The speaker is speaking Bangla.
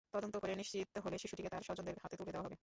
তদন্ত করে নিশ্চিত হলে শিশুটিকে তার স্বজনদের হাতে তুলে দেওয়া হবে।